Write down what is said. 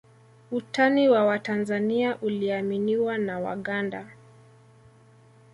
Utani wa Watanzania uliaminiwa na Waganda